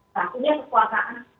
tak punya kekuasaan